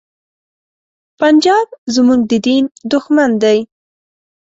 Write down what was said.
پنجاب زمونږ د دین دښمن دی.